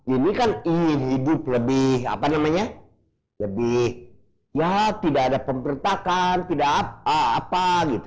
ini kan ingin hidup lebih apa namanya lebih ya tidak ada pembertakan tidak apa gitu